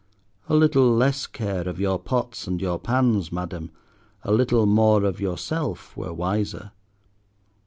A little less care of your pots and your pans, Madam, a little more of yourself were wiser.